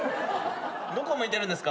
どこ向いてるんですか？